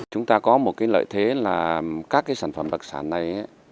chúng ta có một lợi thế là các sản phẩm lạc sản này